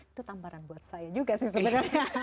itu tamparan buat saya juga sih sebenarnya